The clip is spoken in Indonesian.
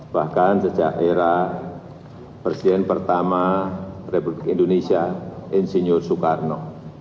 bahkan sejak era presiden pertama republik indonesia insinyur soekarno